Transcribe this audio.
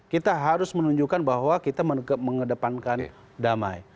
kita harus menunjukkan bahwa kita mengedepankan damai